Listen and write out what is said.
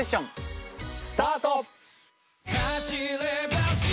スタート！